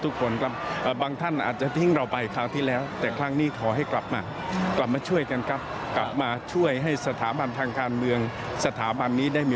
ขอบคุณมากครับและก็สมาธิภักดิ์แก่นดำภักดิ์